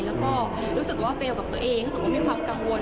แล้วก็รู้สึกว่าเบลกับตัวเองรู้สึกว่ามีความกังวล